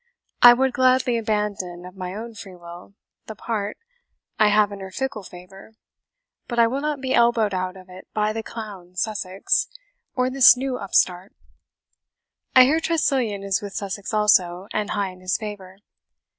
I would gladly abandon, of my own free will, the part I have in her fickle favour; but I will not be elbowed out of it by the clown Sussex, or this new upstart. I hear Tressilian is with Sussex also, and high in his favour.